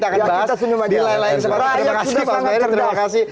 kita harus diuji kebenaran terima kasih